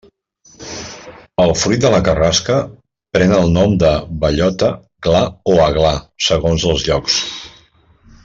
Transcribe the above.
El fruit de la carrasca pren el nom de bellota, gla o aglà, segons els llocs.